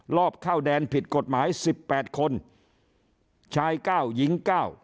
ลอบเข้าแดนผิดกฎหมาย๑๘คนชาย๙หญิง๙